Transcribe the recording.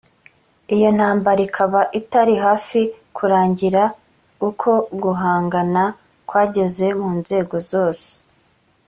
iyo ntambara ikaba itari hafi kurangira uko guhangana kwageze mu nzego zose